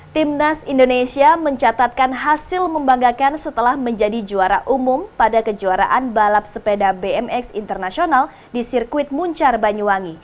timnas indonesia mencatatkan hasil membanggakan setelah menjadi juara umum pada kejuaraan balap sepeda bmx internasional di sirkuit muncar banyuwangi